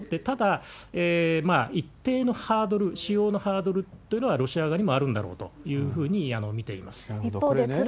ただ、一定のハードル、使用のハードルというのは、ロシア側にもあるんだろうというふうに見ています。